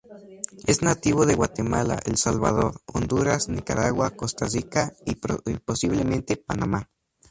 Es nativo de Guatemala, El Salvador, Honduras, Nicaragua, Costa Rica, y posiblemente Panamá.